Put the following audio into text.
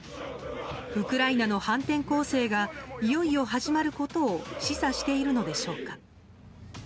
ウクライナの反転攻勢がいよいよ始まることを示唆しているのでしょうか。